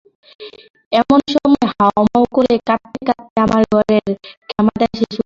এমন সময়ে হাউ-মাউ করে কাঁদতে কাঁদতে আমার ঘরের ক্ষেমাদাসী এসে উপস্থিত।